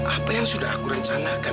apa yang sudah aku rencanakan